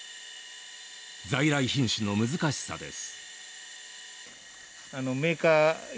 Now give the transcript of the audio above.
在来品種の難しさです。